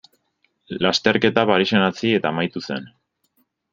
Lasterketa Parisen hasi eta amaitu zen.